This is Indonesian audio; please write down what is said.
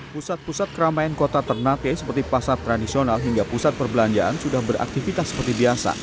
pusat pusat keramaian kota ternate seperti pasar tradisional hingga pusat perbelanjaan sudah beraktivitas seperti biasa